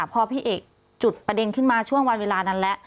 พอพี่เอกจุดประเด็นขึ้นมาช่วงวันเวลานั้นแล้ว